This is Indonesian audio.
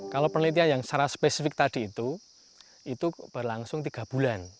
kalau penelitian yang secara spesifik tadi itu itu berlangsung tiga bulan